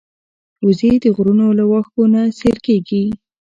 وزې د غرونو له واښو نه سیر کېږي